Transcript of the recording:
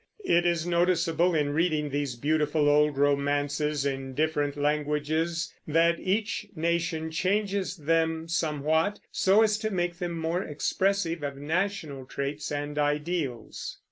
It is noticeable, in reading these beautiful old romances in different languages, that each nation changes them somewhat, so as to make them more expressive of national traits and ideals.